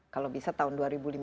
kalau bisa tahun dua ribu lima belas